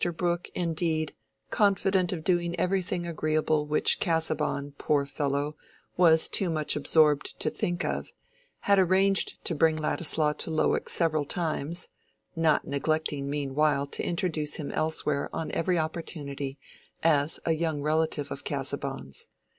Brooke, indeed, confident of doing everything agreeable which Casaubon, poor fellow, was too much absorbed to think of, had arranged to bring Ladislaw to Lowick several times (not neglecting meanwhile to introduce him elsewhere on every opportunity as "a young relative of Casaubon's").